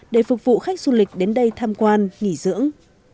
để phục vụ khách du lịch đến đây tham quan nghỉ dưỡng